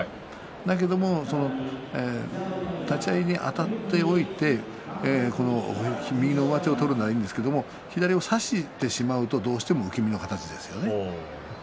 だけども立ち合いであたっておいて右の上手を取ればいいんですけど左を差してしまうと、どうしても受け身の形ですよね。